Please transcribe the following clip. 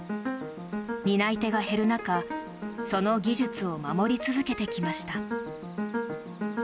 担い手が減る中その技術を守り続けてきました。